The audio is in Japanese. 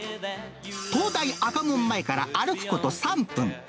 東大赤門前から歩くこと３分。